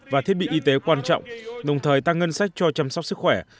và thiết bị y tế quan trọng đồng thời tăng ngân sách cho chăm sóc sức khỏe